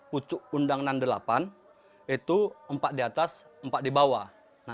pucuk undang enam puluh delapan itu empat di atas empat di bawah